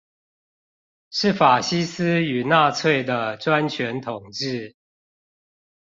是法西斯與納粹的專權統治